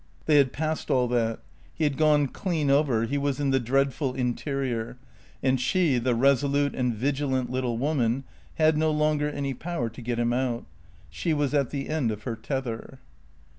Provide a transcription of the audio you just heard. They had passed all that. He had gone clean over; he was in the dreadful interior; and she, the resolute and vigilant little woman, had no longer any power to get him out. She was at the end of her tether.